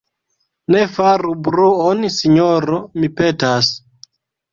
Ne faru bruon, sinjoro, mi petas.